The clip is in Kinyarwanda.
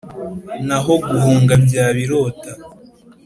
naho guhunga byaba irota